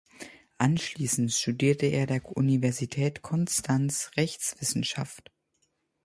Anschließend studierte er der Universität Konstanz Rechtswissenschaft.